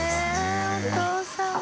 お父さんも。